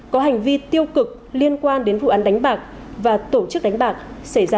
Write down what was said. có hành vi tiêu cực liên quan đến vụ án đánh bạc và tổ chức đánh bạc xảy ra tại tỉnh an giang